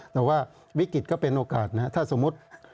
แต่ว่าวิกฤตก็เป็นโอกาสนะครับ